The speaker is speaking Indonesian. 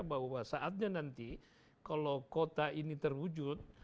bahwa saatnya nanti kalau kota ini terwujud